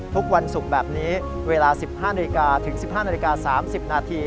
ทุกวันศุกร์แบบนี้เวลา๑๕นถึง๑๕๓๐น